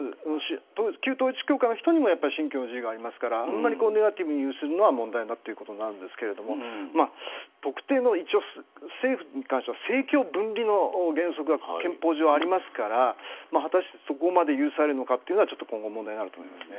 旧統一教会の人にも信教の自由がありますからネガティブにするのは問題だということですけれども特定の政府に関しては政教分離の原則が憲法上ありますから果たして、そこまで許されるのかというのが今後問題になります。